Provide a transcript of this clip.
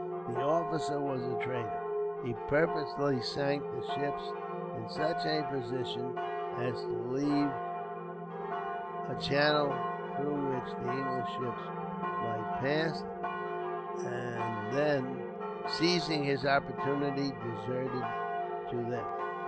The officer was a traitor. He purposely sank the ships in such a position as to leave a channel, through which the English ships might pass; and then, seizing his opportunity, deserted to them.